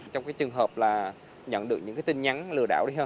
trong trường hợp là nhận được những tin nhắn lừa đảo